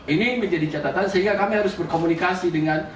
ini menjadi catatan sehingga kami harus berkomunikasi dengan